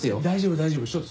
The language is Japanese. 大丈夫大丈夫。